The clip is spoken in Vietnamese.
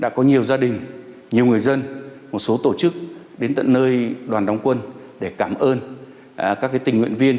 đã có nhiều gia đình nhiều người dân một số tổ chức đến tận nơi đoàn đóng quân để cảm ơn các tình nguyện viên